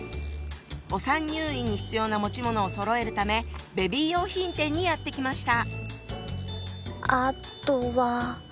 お産入院に必要な持ち物をそろえるためベビー用品店にやって来ました。